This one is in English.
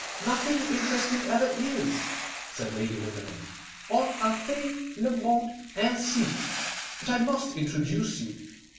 'Nothing interesting ever is,' said Lady Windermere: 'on a fait le monde ainsi. But I must introduce you.